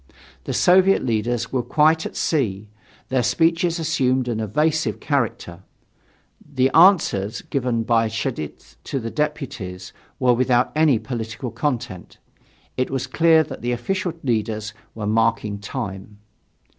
The Soviet leaders were quite at sea; their speeches assumed an evasive character; the answers given by Cheidze to the deputies were without any political content. It was clear that the official leaders were marking time.